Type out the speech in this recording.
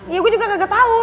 ya gue juga gak tahu